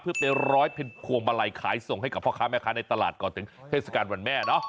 เพื่อไปร้อยเป็นพวงมาลัยขายส่งให้กับพ่อค้าแม่ค้าในตลาดก่อนถึงเทศกาลวันแม่เนาะ